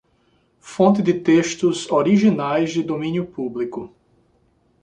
Fonte de textos originais de domínio público.